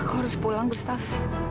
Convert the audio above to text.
hai aku harus pulang gustaf